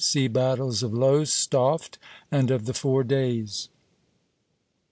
SEA BATTLES OF LOWESTOFT AND OF THE FOUR DAYS.